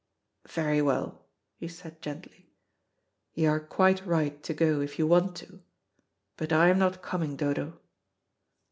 "Very well," he said gently, "you are quite right to go if you want to. But I am not coming, Dodo."